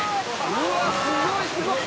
「うわっすごいすごい！」